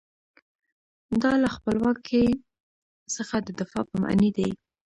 دا له خپلواکۍ څخه د دفاع په معنی دی.